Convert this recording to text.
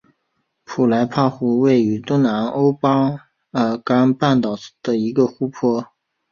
普雷斯帕湖是位于东南欧巴尔干半岛上的一个湖泊。